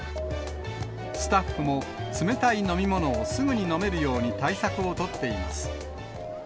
スタッフも冷たい飲み物をすぐに飲めるように対策を取っています。